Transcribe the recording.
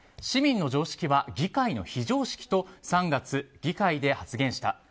市民の常識は議会の非常識と３月議会で発言した。